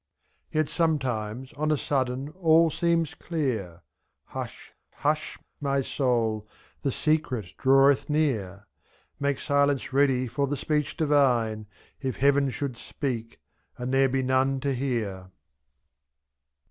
43 Yet sometimes on a sudden all seems clear — Hush ! hush ! my soul, the Secret draweth near ; 7^ Make silence ready for the speech divine — If Heaven should speak, and there be none to hear